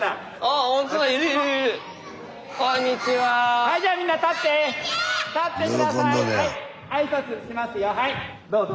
はいどうぞ。